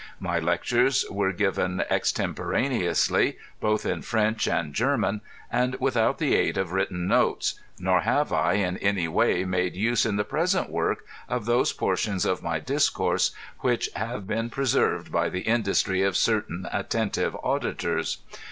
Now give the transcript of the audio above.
My lectures were given extemporaneously^ both in French and German, and without the aid of written notes, nor have I, in any way, made use, in the present work, author's i^KFACE. of those portions of my discounies which have been presenred by the industry of certain, attentive, auditors.